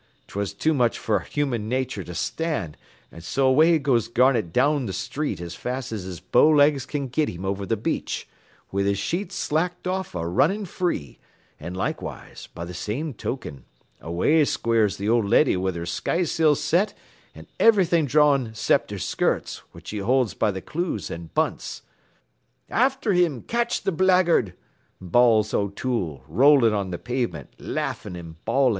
'Twas too much fer human natur' to stan', an' so away goes Garnett down th' street as fast as his bow legs can git him over th' beach, wid his sheets slacked off a runnin' free, an' likewise, b' th' same tokin, away squares th' old leddy wid her skysails set an' everythin' drawin' 'cept her skirts, which she holds b' th' clews an' bunts. "'After him! Catch th' blackguard!' bawls O'Toole, rolling on th' pavement, laffin' an' bawlin'.